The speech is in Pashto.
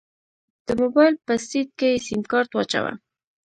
د موبايل په سيټ کې يې سيمکارت واچوه.